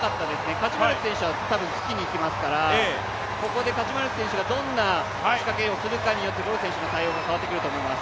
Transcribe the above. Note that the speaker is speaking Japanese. カチュマレク選手は多分、つきにいきますからここでカチュマレク選手がどんな仕掛けをするかによってボル選手の対応も変わってくると思います。